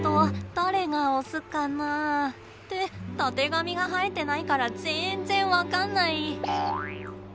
誰がオスかな。ってたてがみが生えてないからぜんぜん分かんない！